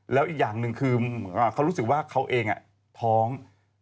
แล้วอีกอย่างหนึ่งคือเขารู้สึกว่าเขาเองท้อง